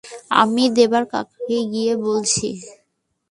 আমি দেবা কাকাকে গিয়ে বলছি।